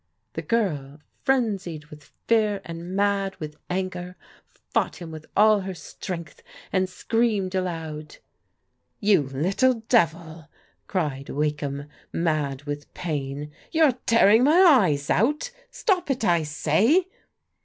The girl, fren zied with fear, and mad with anger, fought him with all her strength, and screamed aloud. "You little devil," cried Wakeham, mad with pain, " you're tearing my eyes out ! Stop it, I say